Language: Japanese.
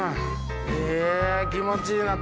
え気持ちいいな。